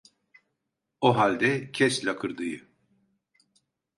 O halde kes lakırdıyı.